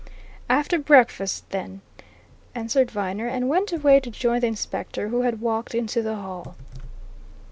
"After breakfast, then," answered Viner, and went away to join the Inspector, who had walked into the hall.